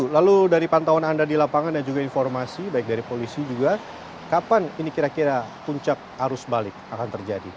lalu dari pantauan anda di lapangan dan juga informasi baik dari polisi juga kapan ini kira kira puncak arus balik akan terjadi